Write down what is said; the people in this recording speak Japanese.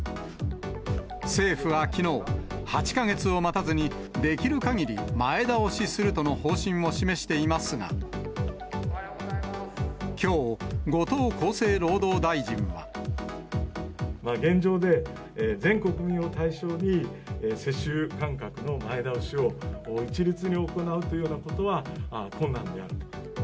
政府はきのう、８か月を待たずにできるかぎり前倒しするとの方針を示しています現状で、全国民を対象に、接種間隔の前倒しを一律に行うというようなことは困難であると。